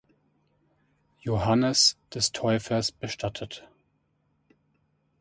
Johannes des Täufers bestattet.